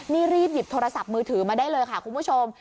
นี่รีบหยิบโทรศัพท์มือถือมาได้เลยค่ะคุณผู้ชม